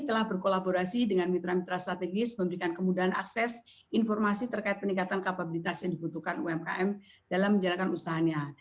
telah berkolaborasi dengan mitra mitra strategis memberikan kemudahan akses informasi terkait peningkatan kapabilitas yang dibutuhkan umkm dalam menjalankan usahanya